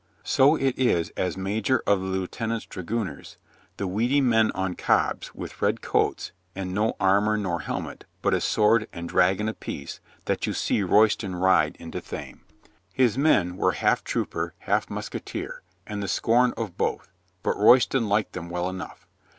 So it is as major of the lieutenant's dragooners, the weedy men on cobs with red coats and no ar mor nor helmet, but a sword and dragon apiece, that you see Royston ride into Thame. His men 286 LUCINDA IS WED 287 were half trooper, half musketeer, and the scorn of both, but Royston liked them well enough.